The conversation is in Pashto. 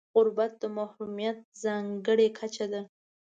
غربت د محرومیت ځانګړې کچه ده.